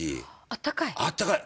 あったかい？